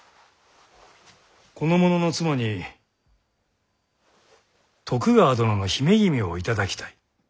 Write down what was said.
この者の妻に徳川殿の姫君を頂きたい。